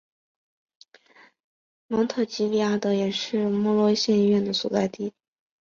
芒特吉利阿德也是莫罗县医院的所在地。